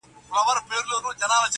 o انصاف نه دی ترافیک دي هم امام وي,